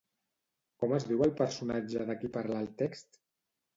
Com es diu el personatge de qui parla el text?